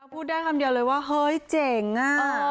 พูดได้คำเดียวเลยว่าเฮ้ยเจ๋งอ่ะ